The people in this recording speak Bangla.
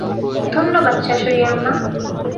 ধন্যবাদ শ্বাশুড়ি আম্মা।